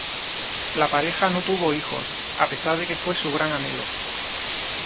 La pareja no tuvo hijos, a pesar de que fue su gran anhelo.